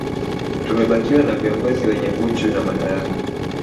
Tumebakiwa na viongozi wenye uchu na madaraka